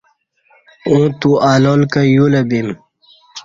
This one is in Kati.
اوں تو الال کہ یولہ بیم